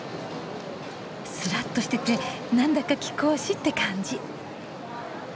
すらっとしててなんだか貴公子って感じ。